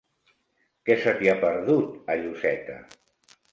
Què se t'hi ha perdut, a Lloseta?